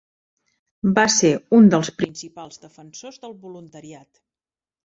Va ser un dels principals defensors del voluntariat.